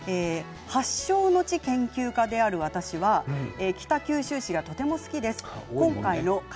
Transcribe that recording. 発祥の地研究家である私は北九州市がとても好きです。